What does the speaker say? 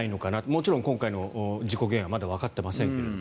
もちろん今回の事故原因はまだわかっていませんが。